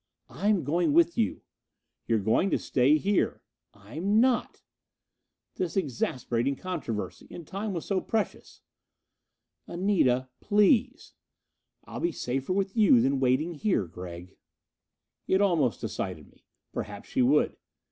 "I'm going with you." "You're going to stay here." "I'm not!" This exasperating controversy! And time was so precious! "Anita, please." "I'll be safer with you than waiting here, Gregg." It almost decided me. Perhaps she would.